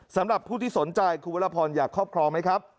สำหรับผู้ที่สนใจคุณวรพรอยากครอบครองไหมครับ